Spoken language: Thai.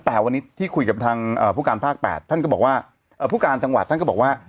แต่วันนี้ที่คุยกับทางผู้การภาค๘ท่านก็บอกว่าผู้การจังหวัดท่านก็บอกว่า